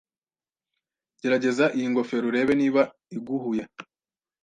Gerageza iyi ngofero urebe niba iguhuye.